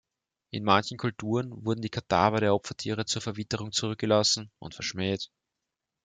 In manchen Kulturen wurden die Kadaver der Opfertiere zur Verwitterung zurückgelassen und verschmäht.